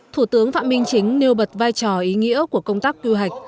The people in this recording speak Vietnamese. thủ tướng phạm minh chính nêu bật vai trò ý nghĩa của công tác quy hoạch